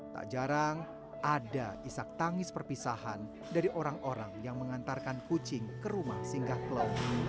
tak jarang ada isak tangis perpisahan dari orang orang yang mengantarkan kucing ke rumah singgah klo